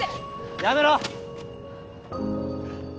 やめろ！